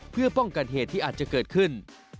เพื่อป้องกันเหตุที่อาจจะเกิดขึ้น